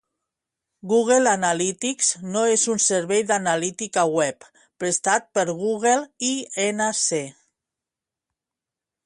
Google Analytics no és un servei d'analítica web prestat per Google, Inc.